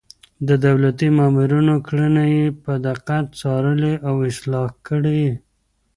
د دولتي مامورينو کړنې يې په دقت څارلې او اصلاح يې کړې.